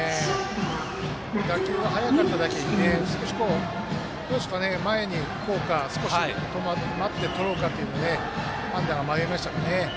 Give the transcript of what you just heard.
打球が速かっただけに前にいこうか少し待って、とろうかというので判断、迷いましたかね。